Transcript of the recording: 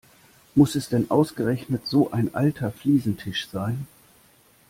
Muss es denn ausgerechnet so ein alter Fliesentisch sein?